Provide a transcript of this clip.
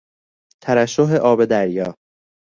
ترشح آب دریا